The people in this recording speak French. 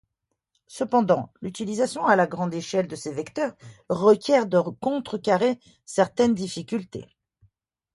Cependant l'utilisation à grande échelle de ces vecteurs requiert de contrecarrer certaines difficultés.